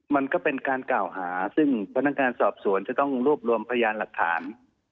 มันก็เป็นการกล่าวหาซึ่งพนักงานสอบสวนจะต้องรวบรวมพยานหลักฐาน